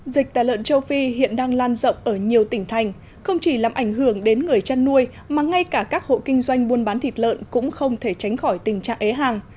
dịch tả lợn châu phi hiện đang lan rộng ở nhiều tỉnh thành không chỉ làm ảnh hưởng đến người chăn nuôi mà ngay cả các hộ kinh doanh buôn bán thịt lợn cũng không thể tránh khỏi tình trạng ế hàng